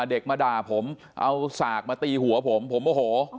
เด็กมาด่าผมเอาสากมาตีหัวผมผมโอ้โห